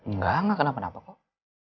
enggak enggak kenapa kenapa kok